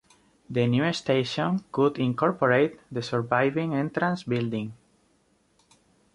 The new station could incorporate the surviving entrance building.